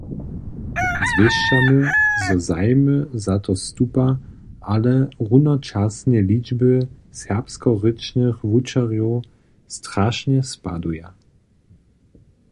Zwěsćamy, zo zajim za to stupa ale runočasnje ličba serbskorěčnych wučerjow strašnje spaduje.